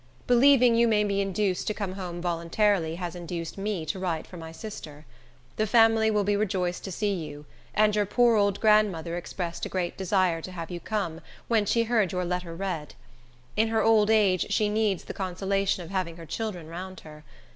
Believing you may be induced to come home voluntarily has induced me to write for my sister. The family will be rejoiced to see you; and your poor old grandmother expressed a great desire to have you come, when she heard your letter read. In her old age she needs the consolation of having her children round her.